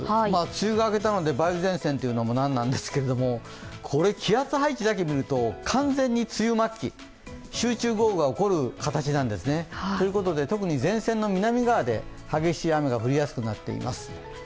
梅雨が明けたので梅雨前線と言うのも何なんですけれども、これ、気圧配置だけ見ると完全に梅雨末期、集中豪雨が起こる形なんですね。ということで、特に前線の南側で激しい雨が降りやすくなっています。